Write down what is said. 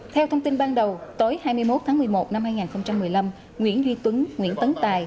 theo thông tin ban đầu tối hai mươi một tháng một mươi một năm hai nghìn một mươi năm nguyễn duy tuấn nguyễn tấn tài